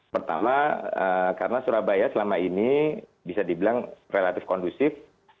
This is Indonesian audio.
pertama karena surabaya selama ini bisa dibilang relatif kondusif